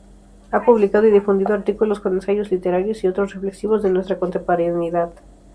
Ha publicado y difundido artículos con ensayos literarios y otros reflexivos de nuestra contemporaneidad.